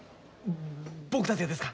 僕たちがですか？